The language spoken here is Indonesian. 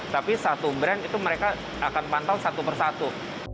tapi satu brand itu mereka akan pantau satu persatu